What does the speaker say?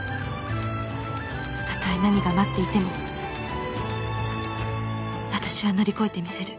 ［たとえ何が待っていても私は乗り越えてみせる］